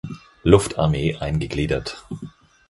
Luftarmee eingegliedert.